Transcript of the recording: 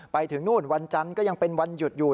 ไปถึงนู่นวันจันทร์ก็ยังเป็นวันหยุดอยู่